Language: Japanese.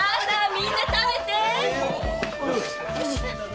みんな食べて！